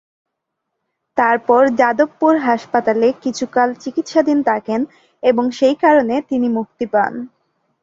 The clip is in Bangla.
তারপর যাদবপুর হাসপাতালে কিছুকাল চিকিৎসাধীন থাকেন এবং সেই কারণে তিনি মুক্তি পান।